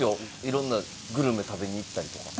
いろんなグルメ食べに行ったりとか。